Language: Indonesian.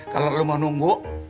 kalau lo mau nunggu